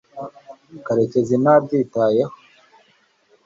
karekezi ntabyitayeho